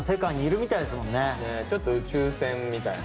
ちょっと宇宙船みたいな。